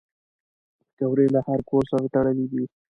پکورې له هر کور سره تړلي دي